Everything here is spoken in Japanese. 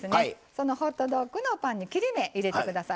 そのホットドッグのパンに切れ目入れて下さい。